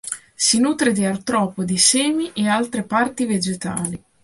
Si nutre di artropodi, semi e altre parti vegetali.